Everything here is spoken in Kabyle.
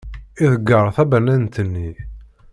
Iḍegger tabanant-nni.